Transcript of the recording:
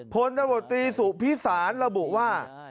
พลตบตรีสุขภิษศาลระบุว่า